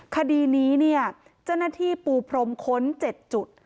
คดีนี้เนี่ยเจ้าหน้าที่ปูพรมค้น๗จุด